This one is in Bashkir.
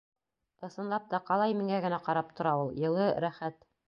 Ысынлап та, ҡалай миңә генә ҡарап тора ул. Йылы, рәхәт.